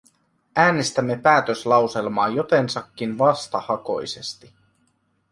Äänestämme päätöslauselmaa jotensakin vastahakoisesti.